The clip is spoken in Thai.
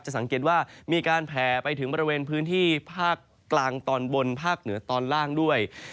สังเกตว่ามีการแผ่ไปถึงบริเวณพื้นที่ภาคกลางตอนบนภาคเหนือตอนล่างด้วย